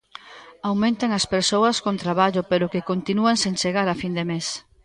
Aumentan as persoas con traballo, pero que continúan sen chegar a fin de mes.